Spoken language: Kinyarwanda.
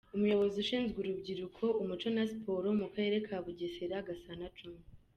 Umuyobozi ushinzwe urubyiruko, umuco na siporo mu karere ka Bugesera, Gasana John.